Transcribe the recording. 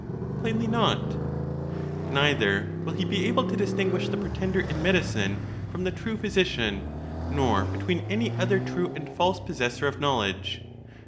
Plainly not. Neither will he be able to distinguish the pretender in medicine from the true physician, nor between any other true and false possessor of knowledge.